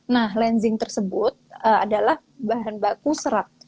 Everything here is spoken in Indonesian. nah lenzing tersebut adalah bahan baku serat